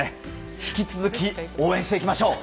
引き続き応援していきましょう。